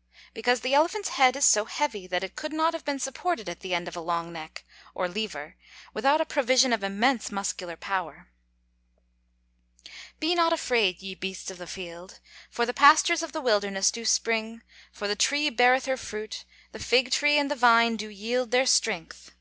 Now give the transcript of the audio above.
_ Because the elephant's head is so heavy, that it could not have been supported at the end of a long neck (or lever), without a provision of immense muscular power. [Verse: "Be not afraid, ye beasts of the field: for the pastures of the wilderness do spring, for the tree beareth her fruit, the fig tree and the vine do yield their strength."